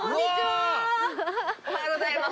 おはようございます。